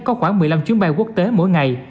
có khoảng một mươi năm chuyến bay quốc tế mỗi ngày